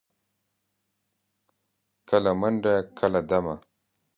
کله منډه، کله دمه.